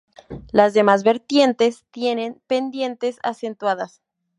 Las demás vertientes tienen pendientes acentuadas.